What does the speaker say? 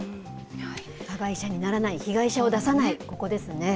加害者にならない、被害者を出さない、ここですね。